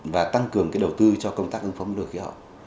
và tăng cường đầu tư cho công tác ứng phó biến đổi khí hậu